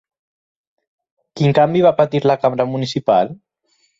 Quin canvi va patir la cambra municipal?